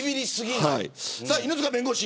さあ、犬塚弁護士。